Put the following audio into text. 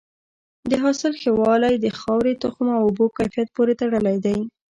د حاصل ښه والی د خاورې، تخم او اوبو کیفیت پورې تړلی دی.